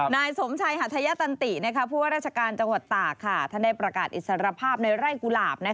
นายสมชัยหัทยตันติผู้ว่าราชการจังหวัดตากท่านได้ประกาศอิสรภาพในไร่กุหลาบ